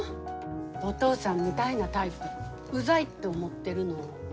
お父さんみたいなタイプうざいって思ってるの。